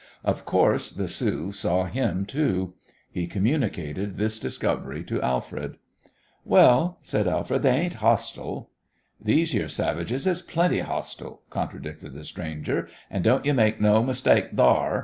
Of course, the Sioux saw him, too. He communicated this discovery to Alfred. "Well," said Alfred, "they ain't hostile." "These yere savages is plenty hostile," contradicted the stranger, "and don't you make no mistake thar.